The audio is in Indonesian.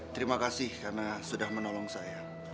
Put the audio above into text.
terima kasih karena sudah menolong saya